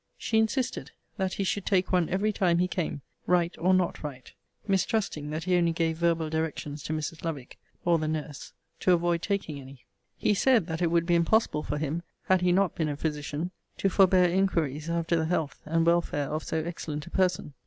She insisted that he should take one every time he came, write or not write; mistrusting that he only gave verbal directions to Mrs. Lovick, or the nurse, to avoid taking any. He said that it would be impossible for him, had he not been a physician, to forbear inquiries after the health and welfare of so excellent a person.